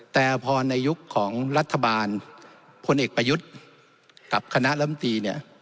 แต่พอในยุคของรัฐบาลพลเอกประยุทธ์กับคณะลำตีเนี่ย